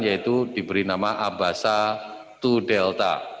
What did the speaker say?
yaitu diberi nama abasa dua delta